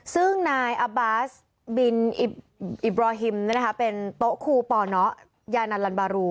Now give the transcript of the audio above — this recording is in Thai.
ซึ่งนายอาบาสบินอิบราฮิมเป็นโต๊ะครูปนยานันลันบารู